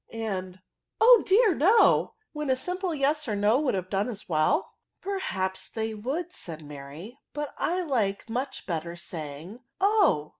and, * O dear no V when simple yes or no would have done as well?" " Perhaps they would," said Mary ;" but I like much better saying, oh